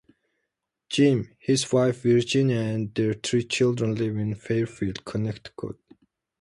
Jim, his wife Virginia, and their three children live in Fairfield, Connecticut.